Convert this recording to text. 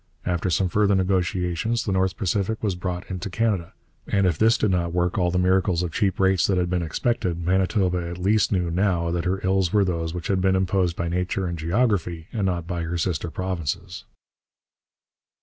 After some further negotiations the Northern Pacific was brought into Canada; and if this did not work all the miracles of cheap rates that had been expected, Manitoba at least knew now that her ills were those which had been imposed by nature and geography and not by her sister provinces.